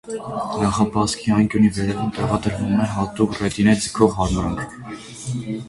Նախաբազկի անկյունի վերևում տեղադրվում է հատուկ ռետինե(ձգող) հարմարանք։